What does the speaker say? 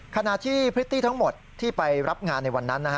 ขณะที่พริตตี้ทั้งหมดที่ไปรับงานในวันนั้นนะฮะ